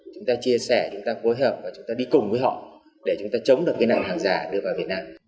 chúng ta chia sẻ chúng ta phối hợp và chúng ta đi cùng với họ để chúng ta chống được cái nạn hàng giả đưa vào việt nam